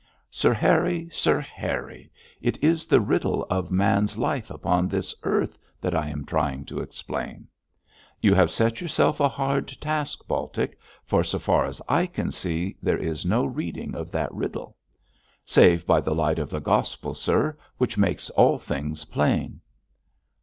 'Sir Harry! Sir Harry! it is the riddle of man's life upon this earth that I am trying to explain.' 'You have set yourself a hard task, Baltic, for so far as I can see, there is no reading of that riddle.' 'Save by the light of the Gospel, sir, which makes all things plain.'